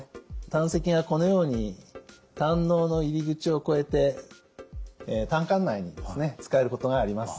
胆石がこのように胆のうの入り口を越えて胆管内につかえることがあります。